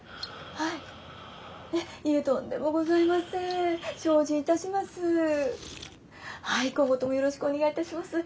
はい今後ともよろしくお願いいたします。